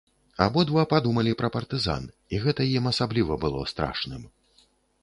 Абодва падумалі пра партызан, і гэта ім асабліва было страшным.